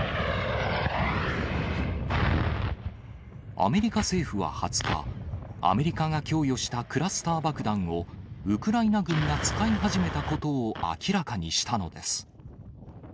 アメリカ政府は２０日、アメリカが供与したクラスター爆弾を、ウクライナ軍が使い始めたことを明らかにしたのです。